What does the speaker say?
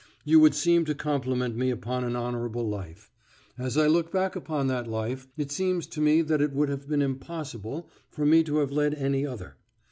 You would seem to compliment me upon an honourable life. As I look back upon that life, it seems to me that it would have been impossible for me to have led any other.